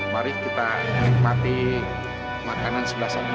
mari kita nikmati makanan sebelah sana